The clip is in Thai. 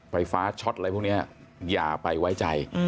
ไฟฟ้าช็อตอะไรพวกนี้อย่าไปไว้ใจ